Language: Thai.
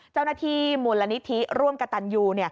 เจ้าหน้าที่มูลนิธิร่วมกับตันยู